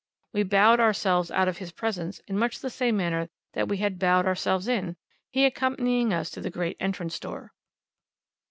We bowed ourselves out of his presence in much the same manner that we had bowed ourselves in, he accompanying us to the great entrance door.